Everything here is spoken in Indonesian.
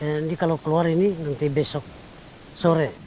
ini kalau keluar ini nanti besok sore